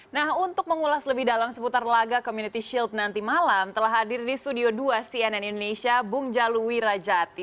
nah untuk mengulas lebih dalam seputar laga community shield nanti malam telah hadir di studio dua cnn indonesia bung jalu wirajati